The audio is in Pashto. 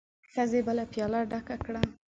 ښځې بله پياله ډکه کړه.